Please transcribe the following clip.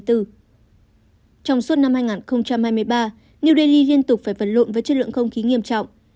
trong suốt năm hai nghìn hai mươi ba new delhi liên tục phải vật lộn với chất lượng không khí nghiêm trọng